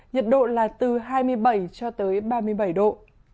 nhiệt độ là từ hai mươi bảy cho tới ba mươi bảy độ